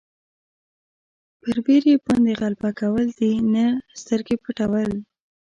پر بېرې باندې غلبه کول دي نه سترګې پټول.